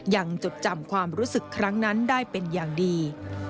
จดจำความรู้สึกครั้งนั้นได้เป็นอย่างดี